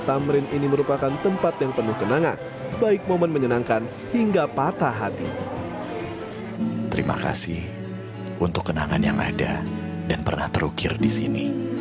terima kasih untuk kenangan yang ada dan pernah terukir di sini